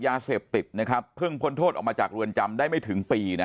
ยาเสพติดนะครับเพิ่งพ้นโทษออกมาจากเรือนจำได้ไม่ถึงปีนะฮะ